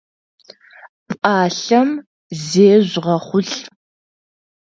Пӏалъэм зежъугъэхъулӏ!